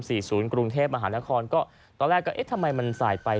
ศูนย์กรุงเทพมหานครก็ตอนแรกก็เอ๊ะทำไมมันสายไป